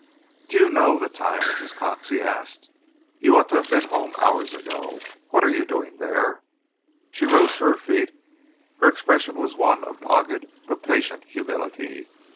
"Do you know the time, Mrs. Cox?" he asked. "You ought to have been home hours ago. What are you doing there?" She rose to her feet. Her expression was one of dogged but patient humility.